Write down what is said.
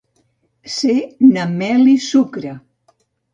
Ser Na Mel-i-Sucre.